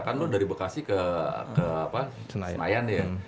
kan lo dari bekasi ke senayan ya